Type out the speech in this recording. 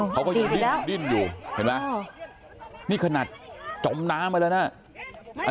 เขาก็ยังดิ้นดิ้นอยู่เห็นไหมนี่ขนาดจมน้ำไปแล้วนะ